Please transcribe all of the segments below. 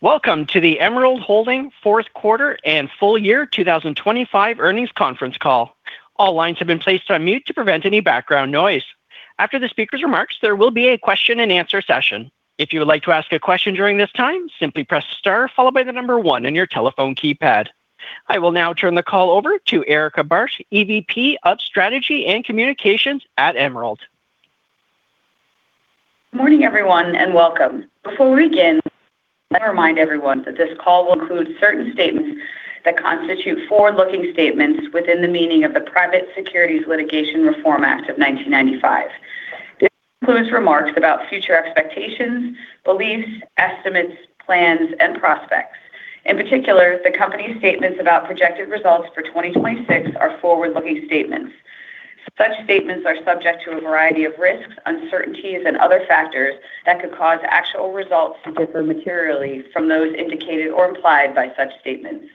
Welcome to the Emerald Holding Fourth Quarter and Full Year 2025 Earnings Conference call. All lines have been placed on mute to prevent any background noise. After the speaker's remarks, there will be a question-and-answer session. If you would like to ask a question during this time, simply press star followed by the number one on your telephone keypad. I will now turn the call over to Erica Bartsch, EVP of Strategy and Communications at Emerald. Morning, everyone, and welcome. Before we begin, I'd like to remind everyone that this call will include certain statements that constitute forward-looking statements within the meaning of the Private Securities Litigation Reform Act of 1995. This includes remarks about future expectations, beliefs, estimates, plans, and prospects. In particular, the company's statements about projected results for 2026 are forward-looking statements. Such statements are subject to a variety of risks, uncertainties, and other factors that could cause actual results to differ materially from those indicated or implied by such statements.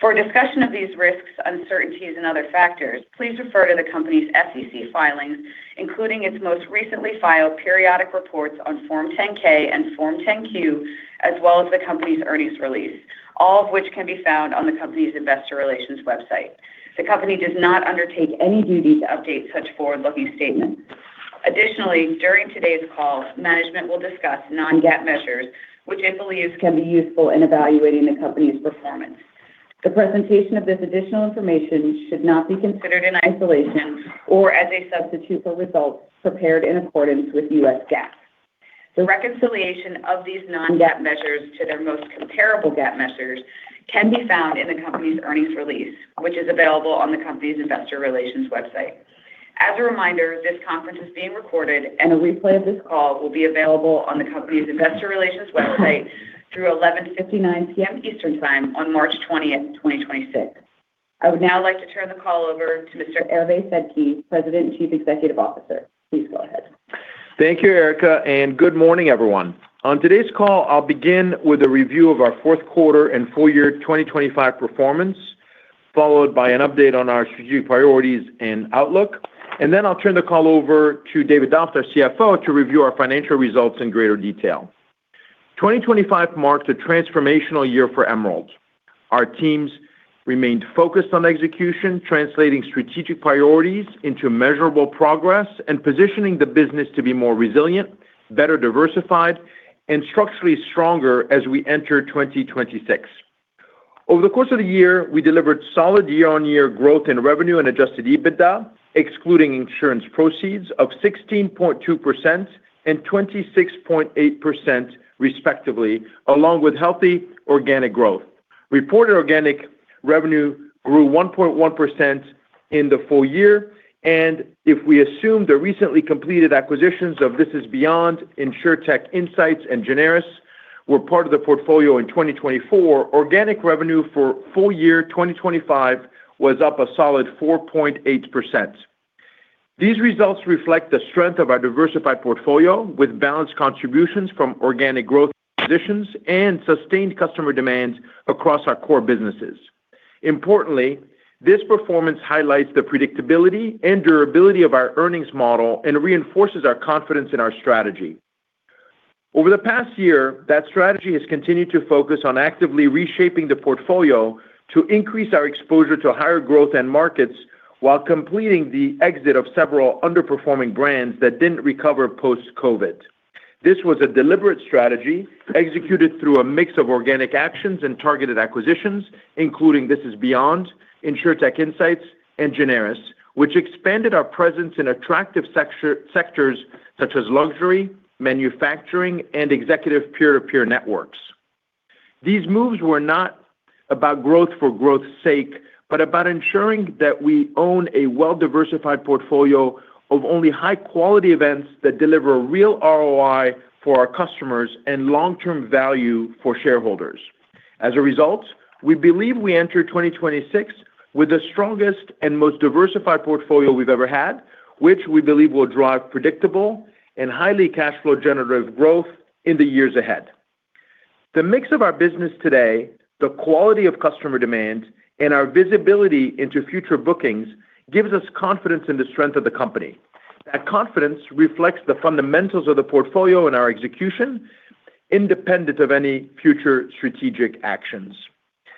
For a discussion of these risks, uncertainties and other factors, please refer to the company's SEC filings, including its most recently filed periodic reports on Form 10-K and Form 10-Q, as well as the company's earnings release, all of which can be found on the company's investor relations website. The company does not undertake any duty to update such forward-looking statements. Additionally, during today's call, management will discuss non-GAAP measures which it believes can be useful in evaluating the company's performance. The presentation of this additional information should not be considered in isolation or as a substitute for results prepared in accordance with U.S. GAAP. The reconciliation of these non-GAAP measures to their most comparable GAAP measures can be found in the company's earnings release, which is available on the company's Investor Relations website. As a reminder, this conference is being recorded and a replay of this call will be available on the company's Investor Relations website through 11:59 P.M. Eastern Time on March 20th, 2026. I would now like to turn the call over to Mr. Hervé Sedky, President and Chief Executive Officer. Please go ahead. Thank you, Erica, and good morning, everyone. On today's call, I'll begin with a review of our fourth quarter and full year 2025 performance, followed by an update on our strategic priorities and outlook. I'll turn the call over to David Doft, our CFO, to review our financial results in greater detail. 2025 marked a transformational year for Emerald. Our teams remained focused on execution, translating strategic priorities into measurable progress and positioning the business to be more resilient, better diversified, and structurally stronger as we enter 2026. Over the course of the year, we delivered solid year-on-year growth in revenue and adjusted EBITDA, excluding insurance proceeds of 16.2% and 26.8% respectively, along with healthy organic growth. Reported organic revenue grew 1.1% in the full year. If we assume the recently completed acquisitions of This is Beyond, Insurtech Insights, and Generis were part of the portfolio in 2024, organic revenue for full-year 2025 was up a solid 4.8%. These results reflect the strength of our diversified portfolio with balanced contributions from organic growth positions and sustained customer demand across our core businesses. Importantly, this performance highlights the predictability and durability of our earnings model and reinforces our confidence in our strategy. Over the past year, that strategy has continued to focus on actively reshaping the portfolio to increase our exposure to higher growth end markets while completing the exit of several underperforming brands that didn't recover post-COVID. This was a deliberate strategy executed through a mix of organic actions and targeted acquisitions, including This is Beyond, Insurtech Insights, and Generis, which expanded our presence in attractive sectors such as luxury, manufacturing, and executive peer-to-peer networks. These moves were not about growth for growth's sake, but about ensuring that we own a well-diversified portfolio of only high-quality events that deliver a real ROI for our customers and long-term value for shareholders. As a result, we believe we enter 2026 with the strongest and most diversified portfolio we've ever had, which we believe will drive predictable and highly cash-flow-generative growth in the years ahead. The mix of our business today, the quality of customer demand, and our visibility into future bookings gives us confidence in the strength of the company. That confidence reflects the fundamentals of the portfolio and our execution independent of any future strategic actions.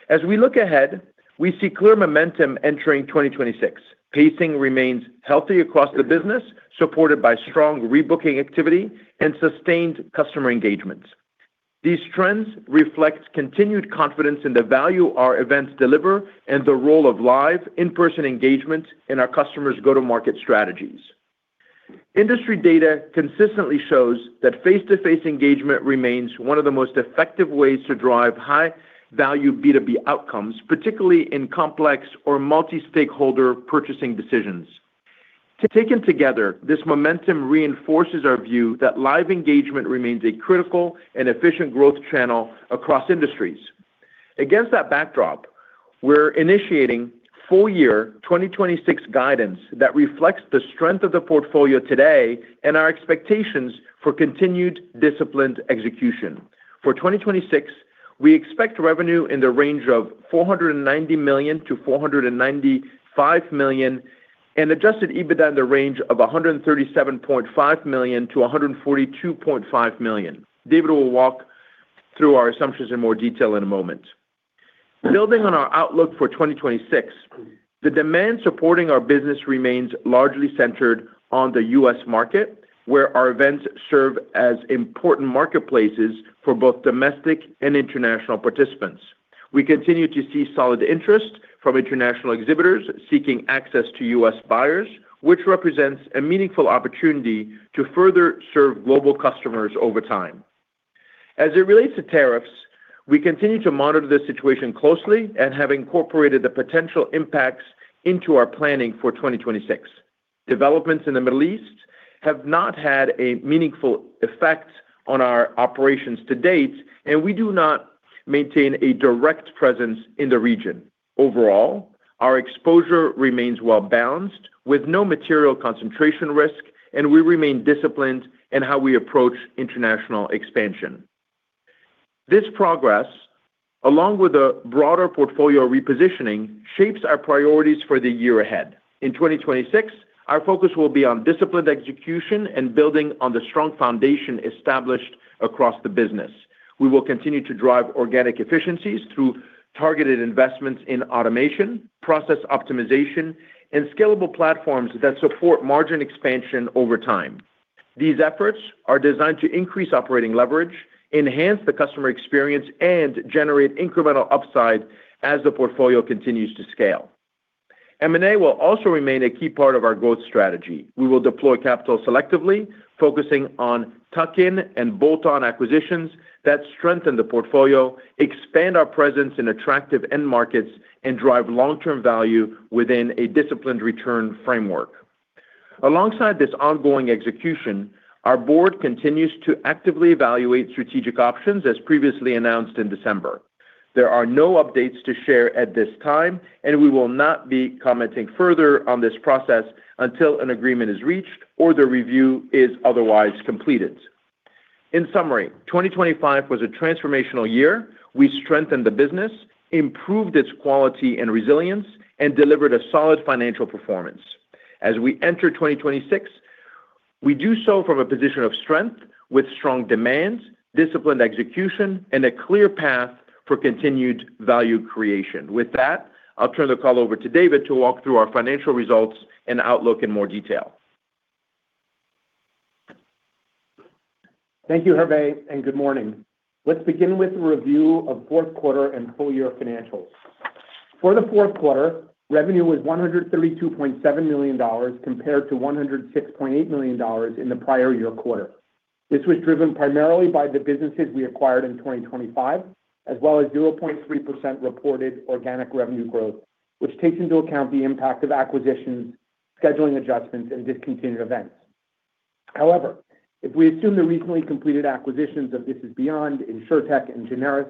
As we look ahead, we see clear momentum entering 2026. Pacing remains healthy across the business, supported by strong rebooking activity and sustained customer engagement. These trends reflect continued confidence in the value our events deliver and the role of live in-person engagement in our customers' go-to-market strategies. Industry data consistently shows that face-to-face engagement remains one of the most effective ways to drive high-value B2B outcomes, particularly in complex or multi-stakeholder purchasing decisions. Taken together, this momentum reinforces our view that live engagement remains a critical and efficient growth channel across industries. Against that backdrop, we're initiating full-year 2026 guidance that reflects the strength of the portfolio today and our expectations for continued disciplined execution. For 2026, we expect revenue in the range of $490 million to $495 million and adjusted EBITDA in the range of $137.5 million to $142.5 million. David will walk through our assumptions in more detail in a moment. Building on our outlook for 2026, the demand supporting our business remains largely centered on the U.S. market, where our events serve as important marketplaces for both domestic and international participants. We continue to see solid interest from international exhibitors seeking access to U.S. buyers, which represents a meaningful opportunity to further serve global customers over time. As it relates to tariffs, we continue to monitor the situation closely and have incorporated the potential impacts into our planning for 2026. Developments in the Middle East have not had a meaningful effect on our operations to date, and we do not maintain a direct presence in the region. Overall, our exposure remains well-balanced with no material concentration risk, and we remain disciplined in how we approach international expansion. This progress, along with a broader portfolio repositioning, shapes our priorities for the year ahead. In 2026, our focus will be on disciplined execution and building on the strong foundation established across the business. We will continue to drive organic efficiencies through targeted investments in automation, process optimization, and scalable platforms that support margin expansion over time. These efforts are designed to increase operating leverage, enhance the customer experience, and generate incremental upside as the portfolio continues to scale. M&A will also remain a key part of our growth strategy. We will deploy capital selectively, focusing on tuck-in and bolt-on acquisitions that strengthen the portfolio, expand our presence in attractive end markets, and drive long-term value within a disciplined return framework. Alongside this ongoing execution, our board continues to actively evaluate strategic options, as previously announced in December. There are no updates to share at this time, and we will not be commenting further on this process until an agreement is reached or the review is otherwise completed. In summary, 2025 was a transformational year. We strengthened the business, improved its quality and resilience, and delivered a solid financial performance. As we enter 2026, we do so from a position of strength with strong demand, disciplined execution, and a clear path for continued value creation. With that, I'll turn the call over to David to walk through our financial results and outlook in more detail. Thank you, Hervé, and good morning. Let's begin with a review of fourth quarter and full-year financials. For the fourth quarter, revenue was $132.7 million compared to $106.8 million in the prior year quarter. This was driven primarily by the businesses we acquired in 2025, as well as 0.3% reported organic revenue growth, which takes into account the impact of acquisitions, scheduling adjustments, and discontinued events. However, if we assume the recently completed acquisitions of This is Beyond, Insurtech Insights, and Generis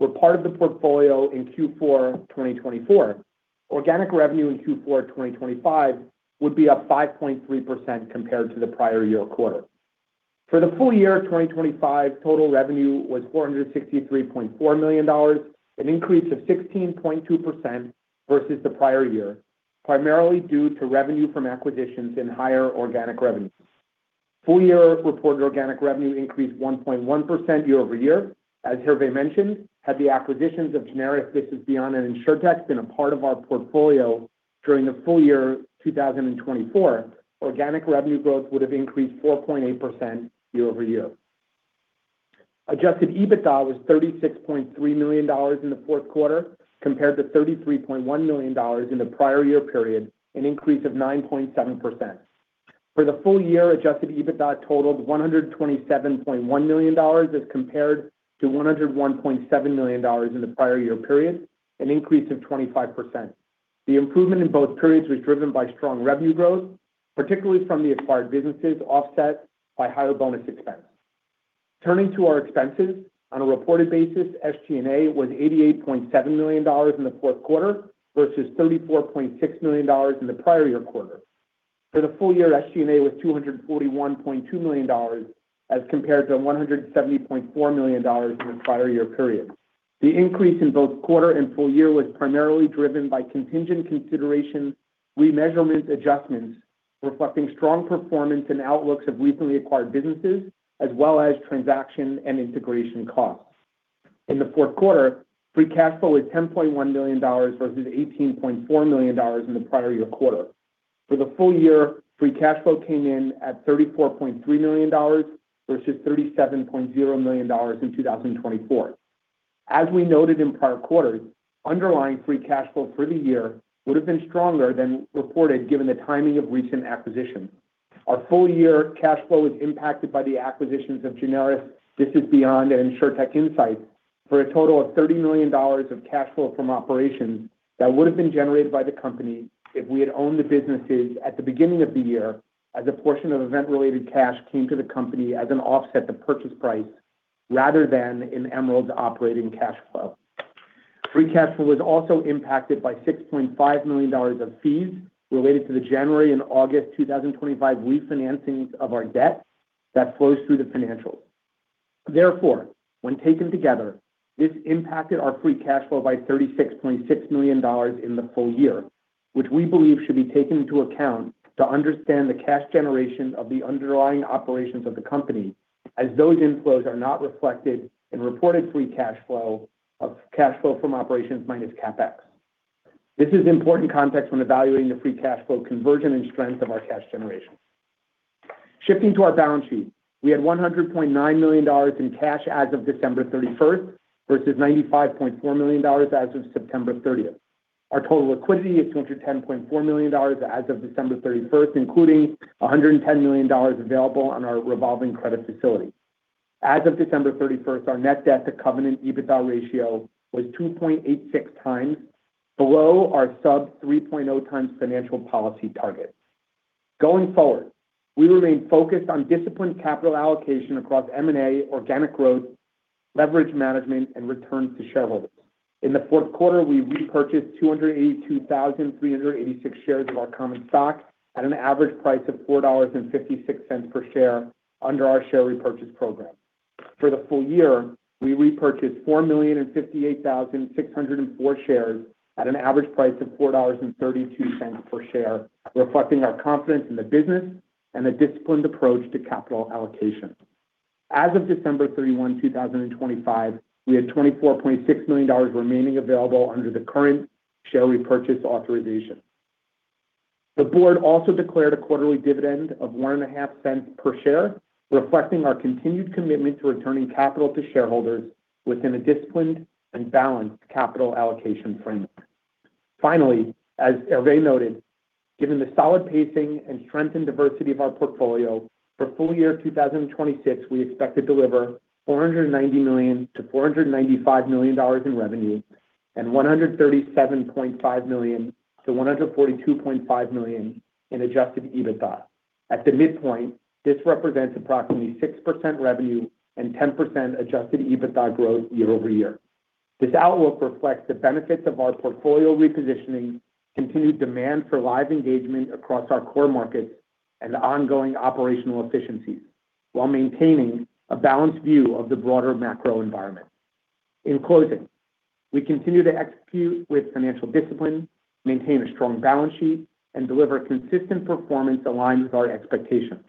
were part of the portfolio in Q4 2024, organic revenue in Q4 2025 would be up 5.3% compared to the prior year quarter. For the full year 2025, total revenue was $463.4 million, an increase of 16.2% versus the prior year, primarily due to revenue from acquisitions and higher organic revenue. Full year reported organic revenue increased 1.1% year-over-year. As Hervé mentioned, had the acquisitions of Generis, This is Beyond, and Insurtech Insights been a part of our portfolio during the full year 2024, organic revenue growth would have increased 4.8% year-over-year. Adjusted EBITDA was $36.3 million in the fourth quarter compared to $33.1 million in the prior year period, an increase of 9.7%. For the full year, adjusted EBITDA totaled $127.1 million as compared to $101.7 million in the prior year period, an increase of 25%. The improvement in both periods was driven by strong revenue growth, particularly from the acquired businesses, offset by higher bonus expense. Turning to our expenses, on a reported basis, SG&A was $88.7 million in the fourth quarter versus $34.6 million in the prior year quarter. For the full year, SG&A was $241.2 million as compared to $170.4 million in the prior year period. The increase in both quarter and full year was primarily driven by contingent consideration, remeasurement adjustments reflecting strong performance and outlooks of recently acquired businesses, as well as transaction and integration costs. In the fourth quarter, free cash flow was $10.1 million versus $18.4 million in the prior year quarter. For the full year, free cash flow came in at $34.3 million versus $37.0 million in 2024. As we noted in prior quarters, underlying free cash flow for the year would have been stronger than reported given the timing of recent acquisitions. Our full year cash flow was impacted by the acquisitions of Generis, This is Beyond, and Insurtech Insights for a total of $30 million of cash flow from operations that would have been generated by the company if we had owned the businesses at the beginning of the year as a portion of event-related cash came to the company as an offset to purchase price rather than in Emerald's operating cash flow. Free cash flow was also impacted by $6.5 million of fees related to the January and August 2025 refinancings of our debt that flows through the financials. Therefore, when taken together, this impacted our free cash flow by $36.6 million in the full year, which we believe should be taken into account to understand the cash generation of the underlying operations of the company as those inflows are not reflected in reported free cash flow of cash flow from operations minus CapEx. This is important context when evaluating the free cash flow conversion and strength of our cash generation. Shifting to our balance sheet, we had $100.9 million in cash as of December 31st versus $95.4 million as of September 30th. Our total liquidity is $210.4 million as of December 31st, including $110 million available on our revolving credit facility. As of December 31st, our net debt to covenant EBITDA ratio was 2.86x below our sub-3.0x financial policy target. Going forward, we remain focused on disciplined capital allocation across M&A, organic growth, leverage management, and returns to shareholders. In the fourth quarter, we repurchased 282,386 shares of our common stock at an average price of $4.56 per share under our share repurchase program. For the full year, we repurchased 4,058,604 shares at an average price of $4.32 per share, reflecting our confidence in the business and a disciplined approach to capital allocation. As of December 31, 2025, we had $24.6 million remaining available under the current share repurchase authorization. The board also declared a quarterly dividend of $0.015 per share, reflecting our continued commitment to returning capital to shareholders within a disciplined and balanced capital allocation framework. Finally, as Hervé noted, given the solid pacing and strength and diversity of our portfolio, for full year 2026, we expect to deliver $490 million to $495 million in revenue and $137.5 million to $142.5 million in adjusted EBITDA. At the midpoint, this represents approximately 6% revenue and 10% adjusted EBITDA growth year-over-year. This outlook reflects the benefits of our portfolio repositioning, continued demand for live engagement across our core markets, and ongoing operational efficiencies while maintaining a balanced view of the broader macro environment. In closing, we continue to execute with financial discipline, maintain a strong balance sheet, and deliver consistent performance aligned with our expectations.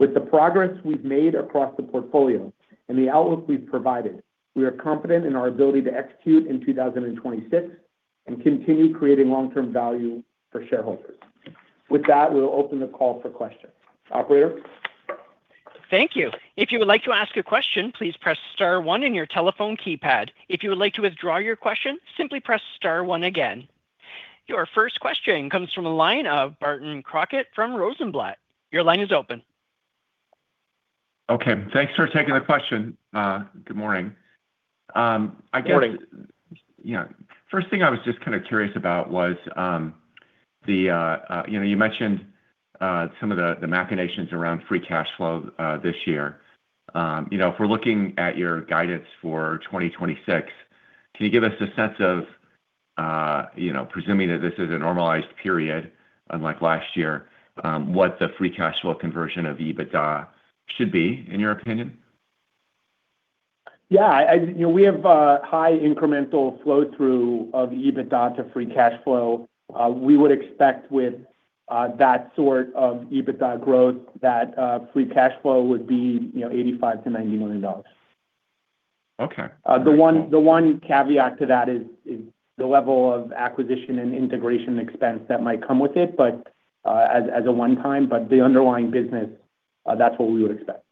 With the progress we've made across the portfolio and the outlook we've provided, we are confident in our ability to execute in 2026 and continue creating long-term value for shareholders. With that, we'll open the call for questions. Operator? Thank you. If you would like to ask a question, please press star one in your telephone keypad. If you would like to withdraw your question, simply press star one again. Your first question comes from the line of Barton Crockett from Rosenblatt. Your line is open. Okay. Thanks for taking the question. Good morning. First thing I was just kind of curious about was you mentioned some of the machinations around free cash flow this yearIf we're looking at your guidance for 2026, can you give us a sense of presuming that this is a normalized period unlike last year, what the free cash flow conversion of EBITDA should be, in your opinion? We have a high incremental flow-through of EBITDA to free cash flow. We would expect with that sort of EBITDA growth that free cash flow would be $85 million to $90 million. Okay. The one caveat to that is the level of acquisition and integration expense that might come with it, but as a one-time. The underlying business, that's what we would expect.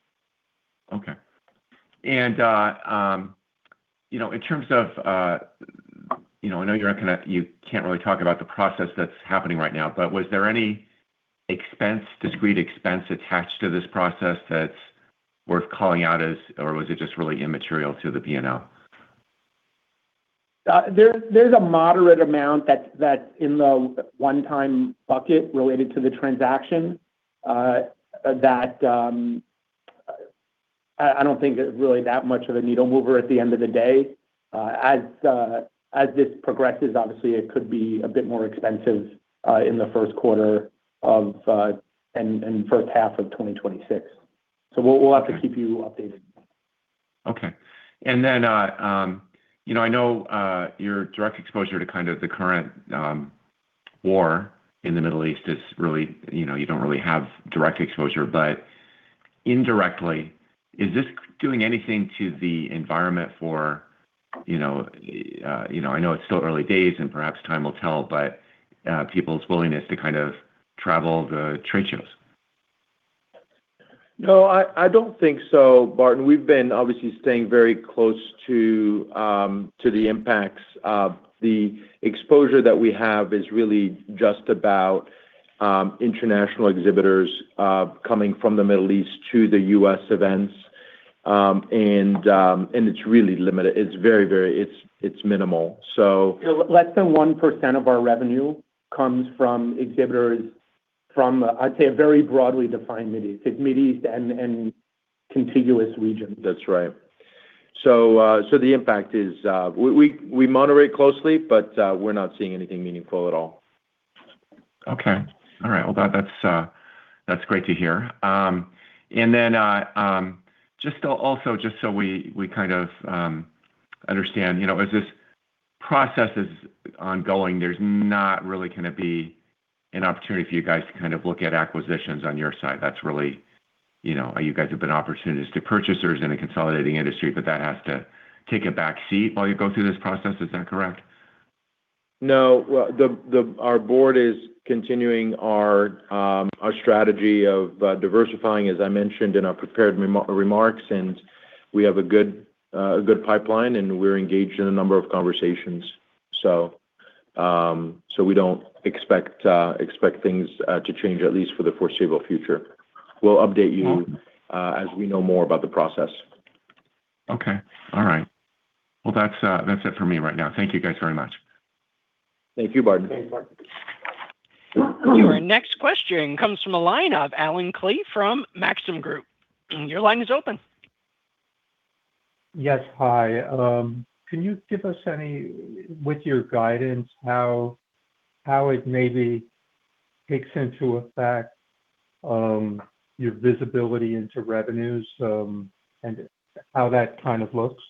In terms of, I know you can't really talk about the process that's happening right now, but was there any expense, discrete expense attached to this process that's worth calling out as, or was it just really immaterial to the P&L? There's a moderate amount that's in the one-time bucket related to the transaction that I don't think is really that much of a needle mover at the end of the day. As this progresses, obviously, it could be a bit more expensive in the first quarter and first half of 2026. We'll have to keep you updated. I know your direct exposure to kind of the current war in the Middle East is really you don't really have direct exposure, but indirectly, is this doing anything to the environment for, I know it's still early days and perhaps time will tell, but people's willingness to kind of travel to trade shows? No, I don't think so, Barton. We've been obviously staying very close to the impacts. The exposure that we have is really just about international exhibitors coming from the Middle East to the U.S. events. It's really limited. It's very minimal. Less than 1% of our revenue comes from exhibitors. From, I'd say, a very broadly defined Middle East. Take Middle East and contiguous region. That's right. The impact is, we moderate closely, but we're not seeing anything meaningful at all. Okay. All right. Well, that's great to hear. Just so we kind of understand, you know, as this process is ongoing, there's not really gonna be an opportunity for you guys to kind of look at acquisitions on your side. That's really, you know, you guys have been opportunistic purchasers in a consolidating industry, but that has to take a back seat while you go through this process. Is that correct? No. Well, our board is continuing our strategy of diversifying, as I mentioned in our prepared remarks. We have a good pipeline, and we're engaged in a number of conversations. We don't expect things to change, at least for the foreseeable future. We'll update you as we know more about the process. Okay. All right. Well, that's it for me right now. Thank you guys very much. Thank you, Barton. Thank you, Barton. Your next question comes from a line of Allen Klee from Maxim Group. Your line is open. Yes. Hi. Can you give us any, with your guidance, how it maybe takes into effect, your visibility into revenues, and how that kind of looks?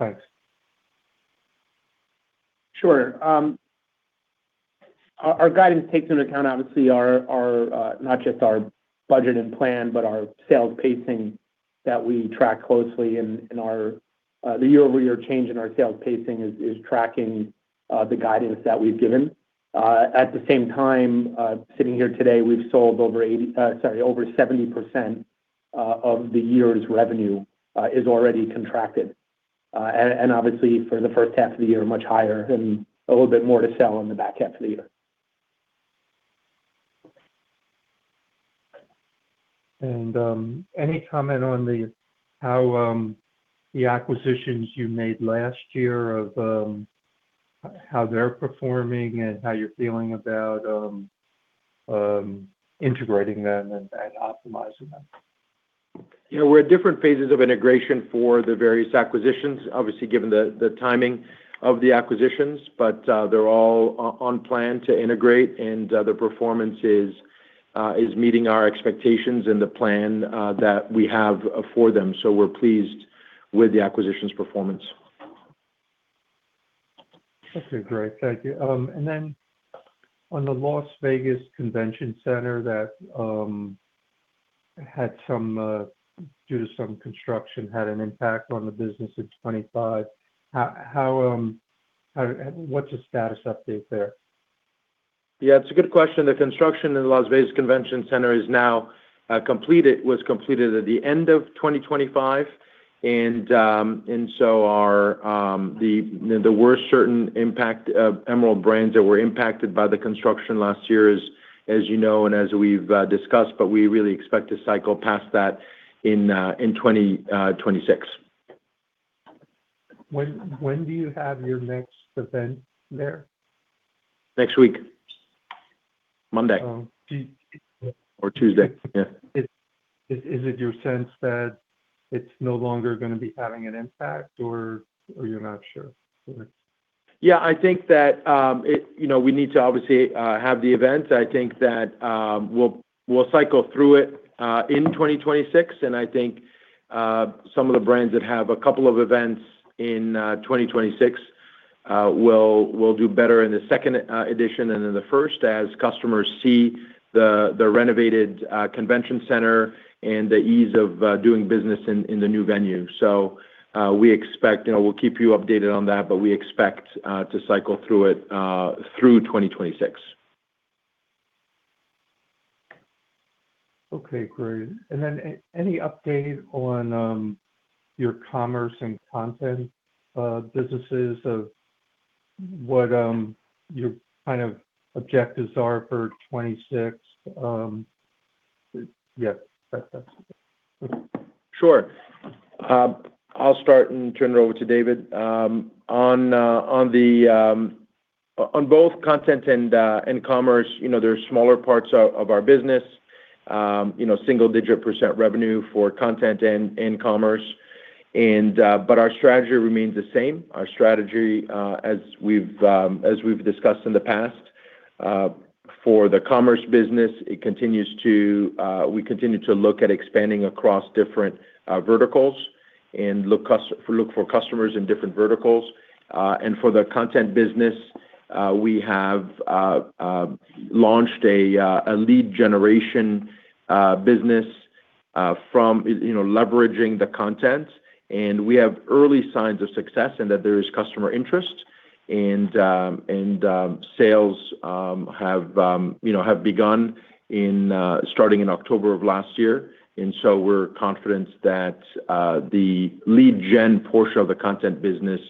Thanks. Sure. Our guidance takes into account obviously our not just our budget and plan, but our sales pacing that we track closely in our the year-over-year change in our sales pacing is tracking the guidance that we've given. At the same time, sitting here today, we've sold over 70% of the year's revenue is already contracted. Obviously for the first half of the year, much higher and a little bit more to sell in the back half of the year. Any comment on the acquisitions you made last year, how they're performing and how you're feeling about integrating them and optimizing them? You know, we're at different phases of integration for the various acquisitions, obviously given the timing of the acquisitions. They're all on plan to integrate, and the performance is meeting our expectations and the plan that we have for them. We're pleased with the acquisitions performance. Okay, great. Thank you. On the Las Vegas Convention Center that had some due to some construction, had an impact on the business in 2025, what's the status update there? It's a good question. The construction in the Las Vegas Convention Center is now completed. Was completed at the end of 2025. There were certain impacts on Emerald brands that were impacted by the construction last year, as you know and as we've discussed, but we really expect to cycle past that in 2026. When do you have your next event there? Next week. Monday or Tuesday. Is it your sense that it's no longer gonna be having an impact or you're not sure? I think that, we need to obviously have the event. I think that we'll cycle through it in 2026, and I think some of the brands that have a couple of events in 2026 will do better in the second edition than in the first as customers see the renovated convention center and the ease of doing business in the new venue. You know, we'll keep you updated on that, but we expect to cycle through it through 2026. Okay, great. Any update on your commerce and content businesses or what your kind of objectives are for 2026? That's it. Sure. I'll start and turn it over to David. On both content and commerce, you know, they're smaller parts of our business. You know, single-digit percent revenue for content and commerce. Our strategy remains the same. Our strategy, as we've discussed in the past, for the commerce business, we continue to look at expanding across different verticals and look for customers in different verticals. For the content business, we have launched a lead generation business from leveraging the content. We have early signs of success and that there is customer interest. Sales have begun, starting in October of last year. We're confident that the lead gen portion of the content business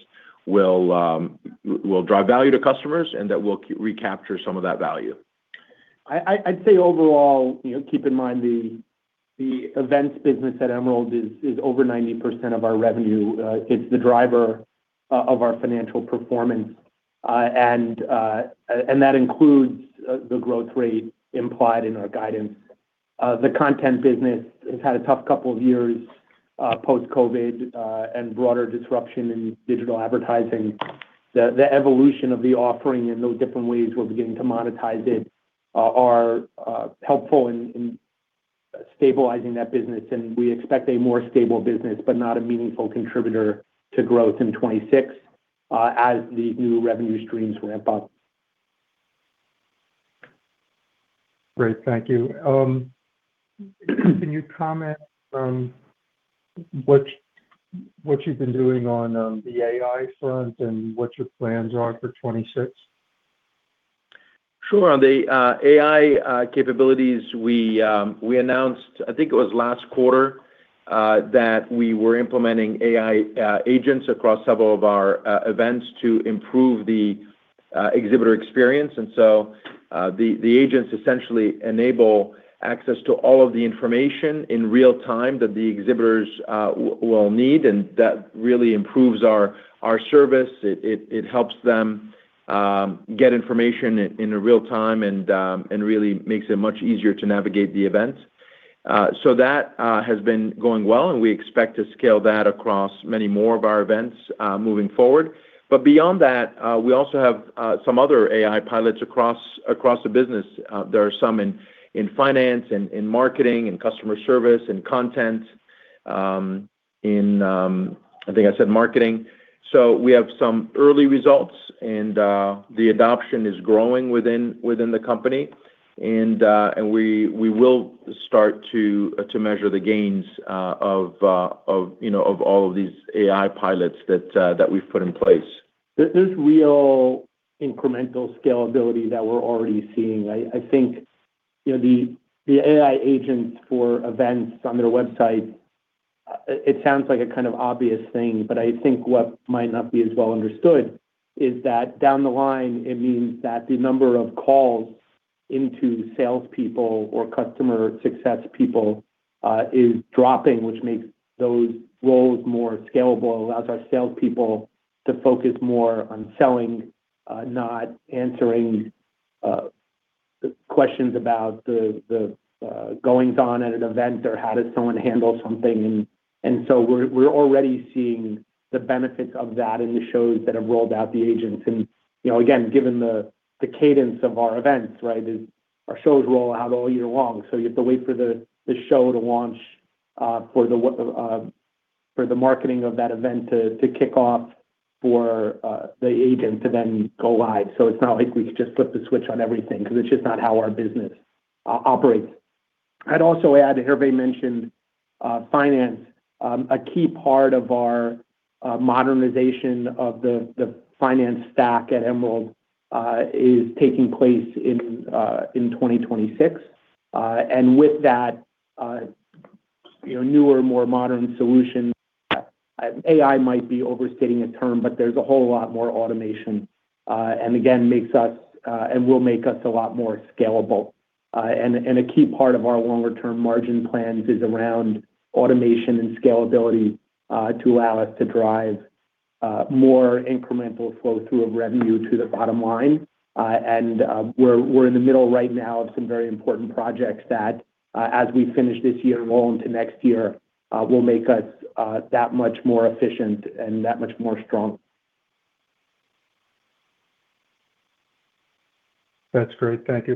will drive value to customers and that we'll recapture some of that value. I'd say overall, keep in mind the events business at Emerald is over 90% of our revenue. It's the driver of our financial performance. That includes the growth rate implied in our guidance. The content business has had a tough couple of years, post-COVID, and broader disruption in digital advertising. The evolution of the offering and those different ways we're beginning to monetize it are helpful in stabilizing that business, and we expect a more stable business, but not a meaningful contributor to growth in 2026, as the new revenue streams ramp up. Great. Thank you. Can you comment on what you've been doing on the AI front and what your plans are for 2026? Sure. On the AI capabilities, we announced, I think it was last quarter, that we were implementing AI agents across several of our events to improve the exhibitor experience. The agents essentially enable access to all of the information in real time that the exhibitors will need, and that really improves our service. It helps them get information in real time and really makes it much easier to navigate the events. That has been going well, and we expect to scale that across many more of our events moving forward. Beyond that, we also have some other AI pilots across the business. There are some in finance and in marketing and customer service and content. I think I said marketing. We have some early results and the adoption is growing within the company. We will start to measure the gains of ll of these AI pilots that we've put in place. There's real incremental scalability that we're already seeing. The AI agents for events on their website, it sounds like a kind of obvious thing, but I think what might not be as well understood is that down the line, it means that the number of calls into salespeople or customer success people is dropping, which makes those roles more scalable, allows our salespeople to focus more on selling, not answering questions about the goings-on at an event or how does someone handle something. We're already seeing the benefits of that in the shows that have rolled out the agents. Again, given the cadence of our events is our show's rollout all year long. You have to wait for the show to launch, for the marketing of that event to kick off for the agent to then go live. It's not like we can just flip the switch on everything 'cause it's just not how our business operates. I'd also add, Hervé mentioned, finance. A key part of our modernization of the finance stack at Emerald is taking place in 2026. With that newer, more modern solution, AI might be overstating a term, but there's a whole lot more automation, and again, makes us, and will make us a lot more scalable. A key part of our longer-term margin plans is around automation and scalability to allow us to drive more incremental flow through of revenue to the bottom line. We're in the middle right now of some very important projects that as we finish this year and roll into next year will make us that much more efficient and that much more strong. That's great. Thank you.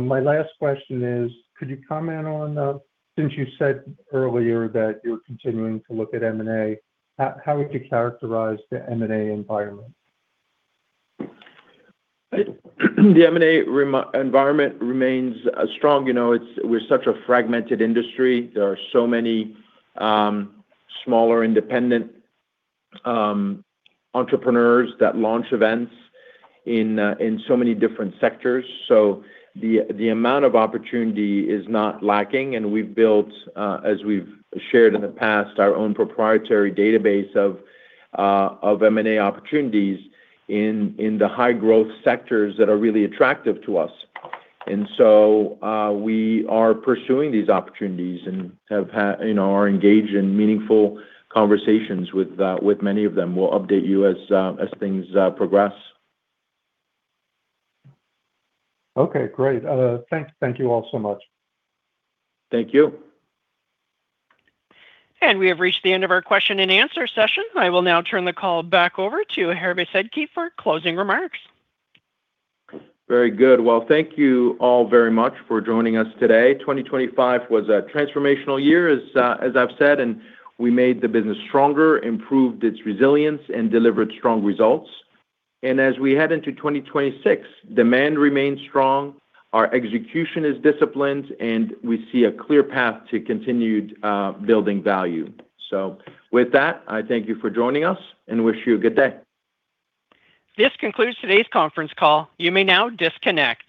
My last question is, could you comment on, since you said earlier that you're continuing to look at M&A, how would you characterize the M&A environment? The M&A environment remains strong. We're such a fragmented industry. There are so many smaller independent entrepreneurs that launch events in so many different sectors. The amount of opportunity is not lacking. We've built, as we've shared in the past, our own proprietary database of M&A opportunities in the high-growth sectors that are really attractive to us. We are pursuing these opportunities and are engaged in meaningful conversations with many of them. We'll update you as things progress. Okay, great. Thank you all so much. Thank you. We have reached the end of our question-and-answer session. I will now turn the call back over to Hervé Sedky for closing remarks. Very good. Well, thank you all very much for joining us today. 2025 was a transformational year, as I've said, and we made the business stronger, improved its resilience, and delivered strong results. As we head into 2026, demand remains strong, our execution is disciplined, and we see a clear path to continued building value. With that, I thank you for joining us and wish you a good day. This concludes today's conference call. You may now disconnect.